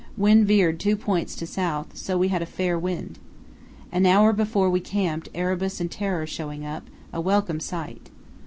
Wind veered two points to south, so we had a fair wind. An hour before we camped Erebus and Terror showing up, a welcome sight.